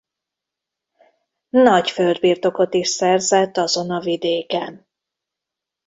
Nagy földbirtokot is szerzett azon a vidéken.